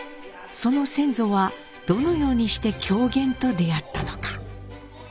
その先祖はどのようにして狂言と出会ったのか？